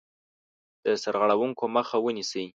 د سرغړونکو مخه ونیسي.